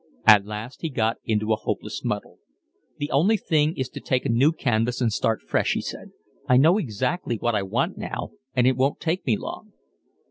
At last he got into a hopeless muddle. "The only thing is to take a new canvas and start fresh," he said. "I know exactly what I want now, and it won't take me long."